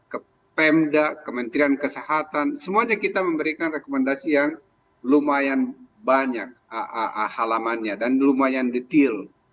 ke pemda kementerian kesehatan semuanya kita memberikan rekomendasi yang lumayan banyak halamannya dan lumayan detail